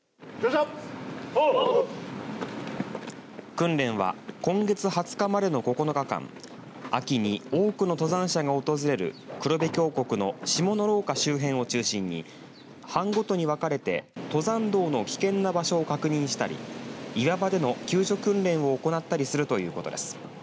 訓練は今月２０日までの９日間秋に多くの登山者が訪れる黒部峡谷の下ノ廊下周辺を中心に班ごとに分かれて登山道の危険な場所を確認したり岩場での救助訓練を行ったりするということです。